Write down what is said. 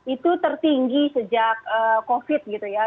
itu tertinggi sejak covid gitu ya